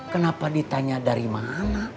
kenapa ditanya dari mana